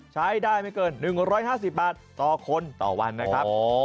ใช้ได้ไม่เกิน๑๕๐บาทต่อคนต่อวันนะครับ